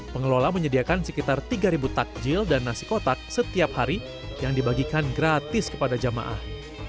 pengelola menyediakan sekitar tiga takjil dan nasi kotak setiap hari yang dibagikan gratis kepada jamaah